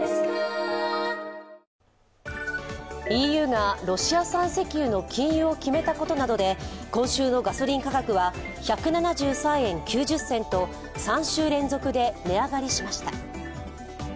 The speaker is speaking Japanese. ＥＵがロシア産石油の禁輸を決めたことなどで今週のガソリン価格は１７３円９０銭と３週連続で値上がりしました。